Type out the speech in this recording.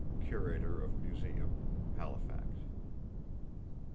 —(Curator of Museum, Halifax.)